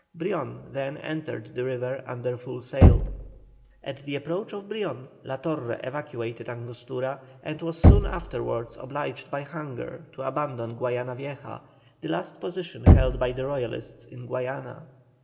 Brion then entered the river under full sail. At the approach of Brion, La Torre evacuated Angostura and was soon afterwards obliged by hunger to abandon Guayana Vieja, the last position held by the Royalists in Guayana.